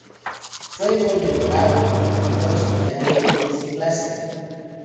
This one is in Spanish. Fue condecorado como el mejor estudiante en su clase.